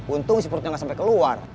untung si perutnya gak sampai keluar